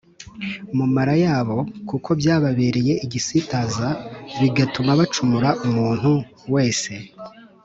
mu mara yabo kuko byababereye igisitaza bigatuma bacumura Umuntu wese